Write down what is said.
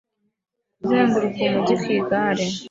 Kuzenguruka umujyi ku igare